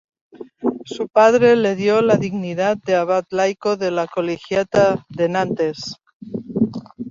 Su padre le dio la dignidad de abad laico de la colegiata de Nantes.